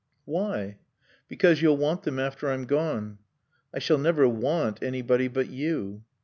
"Why?" "Because you'll want them after I'm gone." "I shall never want anybody but you."